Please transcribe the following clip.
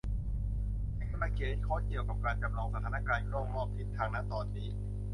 ฉันกำลังเขียนโค้ดเกี่ยวกับการจำลองสถานการณ์กล้องรอบทิศทาง ณ ตอนนี้